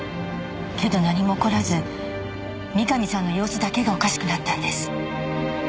けど何も起こらず三上さんの様子だけがおかしくなったんです。